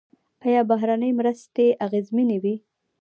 آیا بهرنۍ مرستې اغیزمنې وې؟